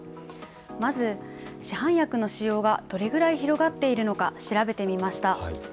まず市販薬の使用がどれぐらい広がっているのか調べてみました。